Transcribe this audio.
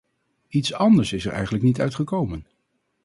Iets anders is er eigenlijk niet uit gekomen.